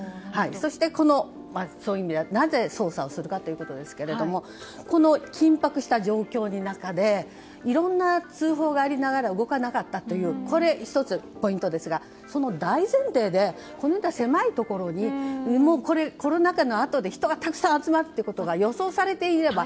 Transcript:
そして、なぜ捜査するかということですがこの緊迫した状況の中でいろんな通報がありながら動かなかったということが１つポイントですがその大前提でこういった狭いところにコロナ禍のあとで人がたくさん集まることが予想されていれば。